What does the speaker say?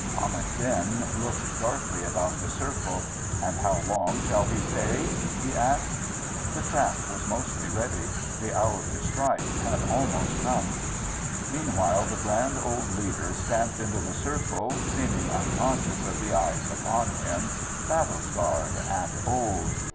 Ahmad Din looked darkly about the circle. "And how long shall he stay?" he asked. The trap was almost ready. The hour to strike had almost come. Meanwhile the grand old leader stamped into the circle, seeming unconscious of the eyes upon him, battle scarred and old.